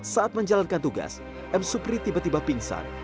saat menjalankan tugas m supri tiba tiba pingsan